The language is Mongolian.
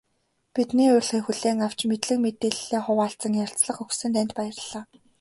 Бидний урилгыг хүлээн авч, мэдлэг мэдээллээ хуваалцан ярилцлага өгсөн танд баярлалаа.